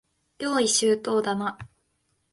用意周到だな。